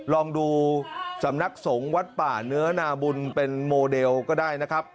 ลองดูสำนักสงฆ์วัดป่าเนื้อนาบุญเป็นโมเดลก็ได้นะครับ